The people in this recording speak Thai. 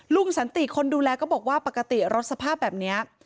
สันติคนดูแลก็บอกว่าปกติรถสภาพแบบนี้